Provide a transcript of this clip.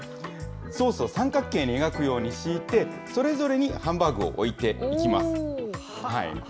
ソースを三角形に描くように敷いて、それぞれにハンバーグを置いていきます。